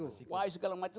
enggak bisa selesai